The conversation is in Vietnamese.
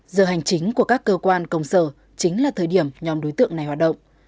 giờ hành chính của các cơ quan công sở chính là thời điểm nhóm đối tượng này hoạt động